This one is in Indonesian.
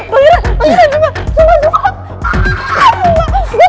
pangeran pangeran sumpah sumpah